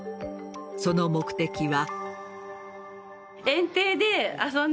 その目的は。